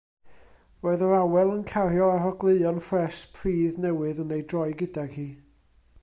Roedd yr awel yn cario arogleuon ffres pridd newydd ei droi gydag hi.